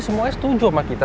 semuanya setuju sama kita